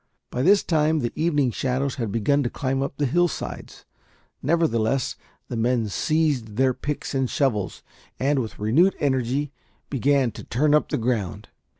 By this time the evening shadows had begun to climb up the hillsides; nevertheless the men seized their picks and shovels, and, with renewed energy, began to turn up the ground.